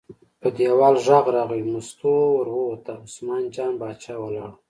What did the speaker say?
په دیوال غږ راغی، مستو ور ووته، عثمان جان باچا ولاړ و.